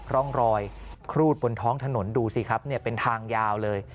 ร่องรอยครูดบนท้องถนนดูสิครับเป็นทางยาวเลย